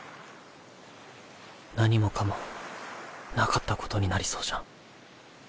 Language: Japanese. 何もかもなかったことになりそうじゃん。